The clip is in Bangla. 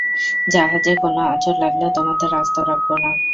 জাহাজে কোনো আঁচড় লাগলে, তোমাদের আস্ত রাখবো না।